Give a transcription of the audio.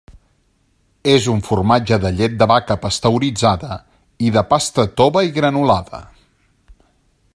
És un formatge de llet de vaca pasteuritzada i de pasta tova i granulada.